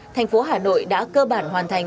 thành phố hà nội đã cơ bản hoàn thành